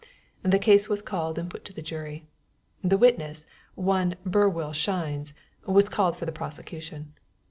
The case was called and put to the jury. The witness, one Burwell Shines, was called for the prosecution.